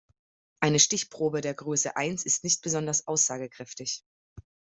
Eine Stichprobe der Größe eins ist nicht besonders aussagekräftig.